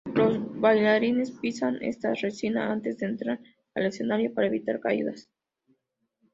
Los bailarines pisan esta resina antes de entrar al escenario para evitar caídas.